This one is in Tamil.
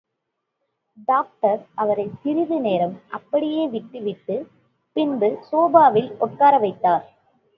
டாக்டர் அவரைச் சிறிது நேரம் அப்படியே விட்டுவிட்டு, பின்பு சோபாவில் உட்கார வைத்தார்.